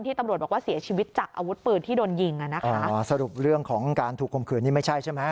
ตำรวจบอกว่าเสียชีวิตจากอาวุธปืนที่โดนยิงอ่ะนะคะอ่าสรุปเรื่องของการถูกคมขืนนี่ไม่ใช่ใช่ไหม